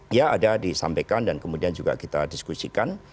dia ada disampaikan dan kemudian juga kita diskusikan